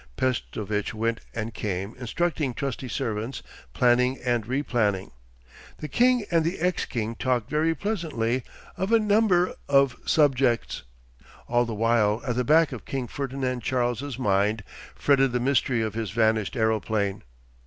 Pestovitch went and came, instructing trusty servants, planning and replanning.... The king and the ex king talked very pleasantly of a number of subjects. All the while at the back of King Ferdinand Charles's mind fretted the mystery of his vanished aeroplane.